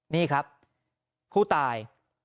นี่ครับผู้ตาย